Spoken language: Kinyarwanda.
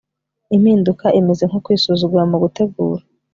impinduka imeze nko kwisuzugura mu gutegura